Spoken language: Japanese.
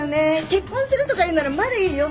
結婚するとかいうならまだいいよ。